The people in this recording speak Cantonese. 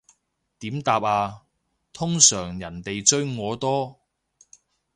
點答啊，通常人哋追我多